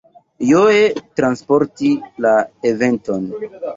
Joe transporti la eventon.